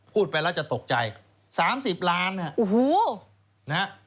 พูดไปแล้วจะตกใจสามสิบล้านฮะ